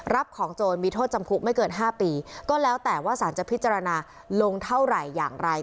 รับของโจรมีโทษจำคุกไม่เกิน๕ปีก็แล้วแต่ว่าสารจะพิจารณาลงเท่าไหร่อย่างไร